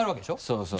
そうそう。